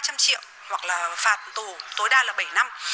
thì mức phạt tối đa là hai trăm linh triệu hoặc là phạt tù tối đa là bảy năm